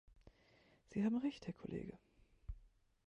Sie haben Recht, Herr Kollege!